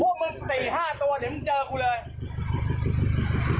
พวกมึง๔๕ตัวเดี๋ยวมึงเจอกูเลย